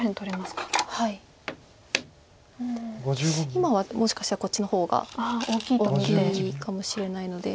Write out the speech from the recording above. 今はもしかしたらこっちの方が大きいかもしれないので。